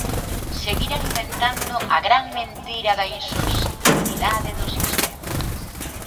Seguir alimentando a gran mentira da insostibilidade do sistema.